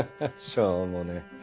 しょうもねえ。